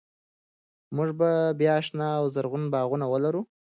موږ به بیا شنه او زرغون باغونه ولرو.